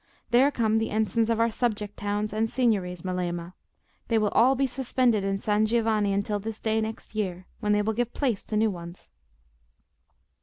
There come the ensigns of our subject towns and signories, Melema; they will all be suspended in San Giovanni until this day next year, when they will give place to new ones."